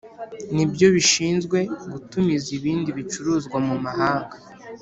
ni byo bishinzwe gutumiza ibindi bicuruzwa mu mahanga